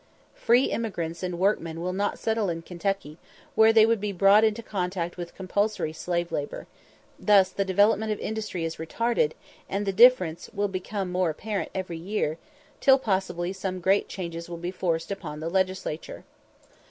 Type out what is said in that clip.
Free emigrants and workmen will not settle in Kentucky, where they would be brought into contact with compulsory slave labour; thus the development of industry is retarded, and the difference will become more apparent every year, till possibly some great changes will be forced upon the legislature.